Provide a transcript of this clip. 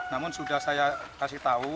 namun sudah saya kasih tahu